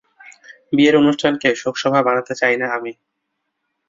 বিয়ের অনুষ্ঠানকে শোকসভা বানাতে চাই না আমি।